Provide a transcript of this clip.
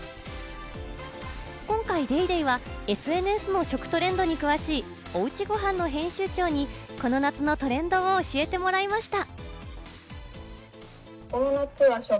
今回『ＤａｙＤａｙ．』はＳＮＳの食トレンドに詳しい『おうちごはん』の編集長に、この夏のトレンドを教えてもらいました。